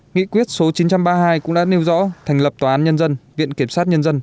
nghị quyết số chín trăm ba mươi hai cũng đã nêu rõ thành lập tòa án nhân dân viện kiểm sát nhân dân